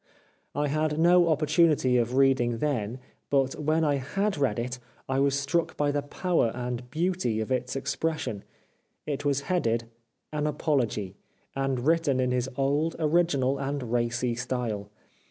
I had no opportunity of reading then, but when I had read it I was struck by the power and beauty of its expresssion. It was headed :'' An Apology," and written in his old, original, and racy style.